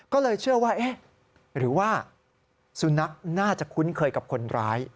ก็เลยเชื่อว่าเอ๊ะหรือว่าสุนัขน่าจะคุ้นเคยกับคนร้าย